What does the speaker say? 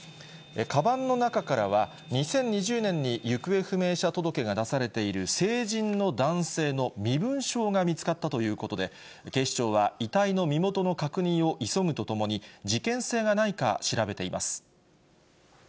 かばんの中からは、２０２０年に行方不明者届が出されている成人の男性の身分証が見つかったということで、警視庁は、遺体の身元の確認を急ぐとともに、事件性がないか、調べています。